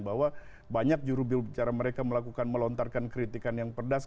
bahwa banyak jurubicara mereka melakukan melontarkan kritikan yang pedas